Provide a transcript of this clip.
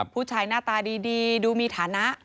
ผู้ชายหน้าตาดีดูมีฐานะ